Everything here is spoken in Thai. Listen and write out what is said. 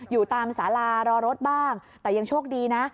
อยู่ตามสารารอรถบ้างแต่ยังโชคดีนะ